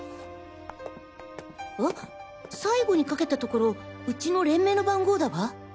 あっ最後にかけたところウチの連盟の番号だわ。